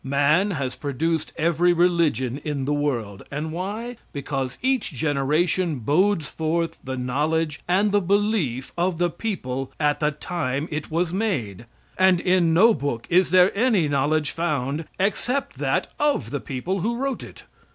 Man has produced every religion in the world. And why? Because each generation bodes forth the knowledge and the belief of the people at the time it was made, and in no book is there any knowledge found, except that of the people who wrote it.